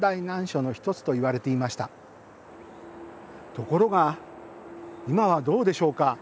ところが今はどうでしょうか。